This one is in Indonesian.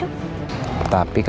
apa yang toner cak